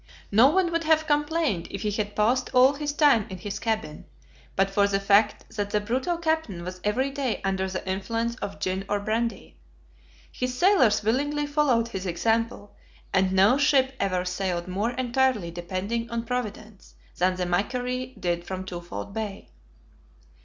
No one would have complained if he had passed all his time in his cabin, but for the fact that the brutal captain was every day under the influence of gin or brandy. His sailors willingly followed his example, and no ship ever sailed more entirely depending on Providence than the MACQUARIE did from Twofold Bay.